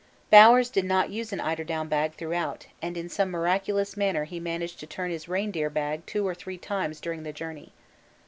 Bowers did not use an eiderdown bag throughout, and in some miraculous manner he managed to turn his reindeer bag two or three times during the journey.